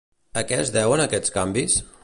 A què es deuen aquests canvis?